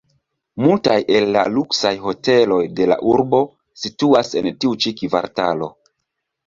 Multaj el la luksaj hoteloj de la urbo situas en tiu ĉi kvartalo.